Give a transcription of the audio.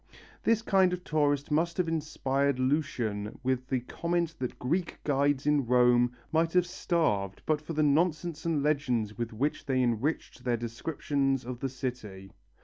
This kind of tourist must have inspired Lucian with the comment that Greek guides in Rome might have starved but for the nonsense and legends with which they enriched their descriptions of the city.